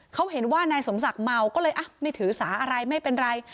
เขาเห็นว่านายสมศักดิ์เมาก็เลยไม่ถือสาอะไรไม่เป็นไร